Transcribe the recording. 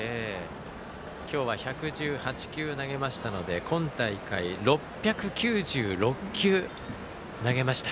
今日は１１８球投げましたので今大会、６９６球投げました。